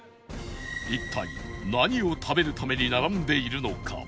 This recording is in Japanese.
一体何を食べるために並んでいるのか？